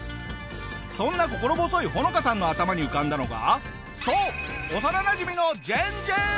そんな心細いホノカさんの頭に浮かんだのがそう幼なじみのジェンジェン！